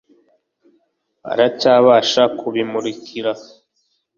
aracyabasha kubimurikira